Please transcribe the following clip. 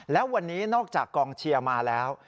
และวันนี้นอกจากกองเชียร์มาแล้ว